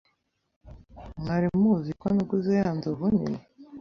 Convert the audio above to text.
mwari muzi ko naguze ya nzovu nini